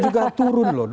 jokowi juga turun loh